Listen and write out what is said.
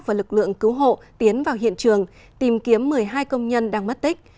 và lực lượng cứu hộ tiến vào hiện trường tìm kiếm một mươi hai công nhân đang mất tích